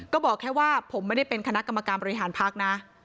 ก็บอกแค่ว่าผมไม่ได้เป็นคณะกรรมการบริหารพักนะ